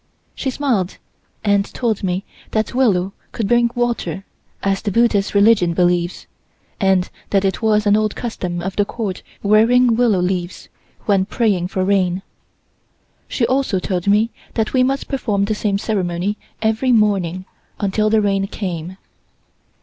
She smiled and told me that willow could bring water, as the Buddhist religion believes, and that it was an old custom of the Court wearing willow leaves, when praying for rain. She also told me that we must perform the same ceremony every morning until the rain came.